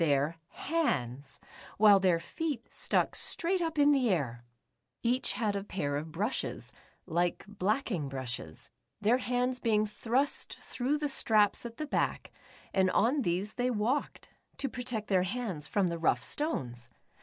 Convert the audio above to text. their hands, while their feet stuck straight up in the air ! Each had a pair of brushes, like blacking brushes, their hands being thrust through the straps at the back, and on these they walked, to protect their hands from the rough stones.